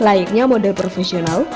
layaknya model profesional